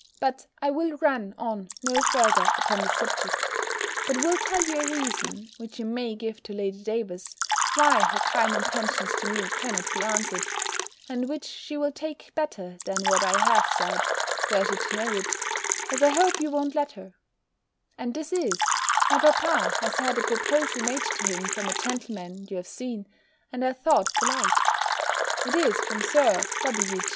But I will run on no further upon this subject; but will tell you a reason, which you may give to Lady Davers, why her kind intentions to me cannot be answered; and which she'll take better than what I have said, were she to know it, as I hope you won't let her: and this is, my papa has had a proposal made to him from a gentleman you have seen, and have thought polite. It is from Sir W.